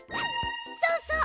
そうそう！